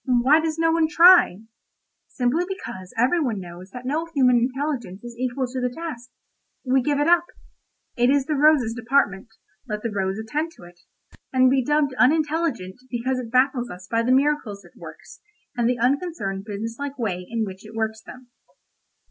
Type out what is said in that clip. Why does no one try? Simply because every one knows that no human intelligence is equal to the task. We give it up. It is the rose's department; let the rose attend to it—and be dubbed unintelligent because it baffles us by the miracles it works, and the unconcerned business like way in which it works them.